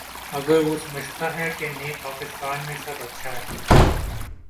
اگر وہ سمجھتا ہے کہ نئے پاکستان میں سب اچھا ہے۔